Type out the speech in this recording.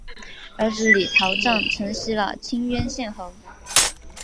儿子李桃杖承袭了清渊县侯。